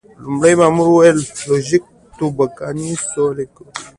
لومړي مامور وویل: لوژینګ، توبوګان سورلي کول.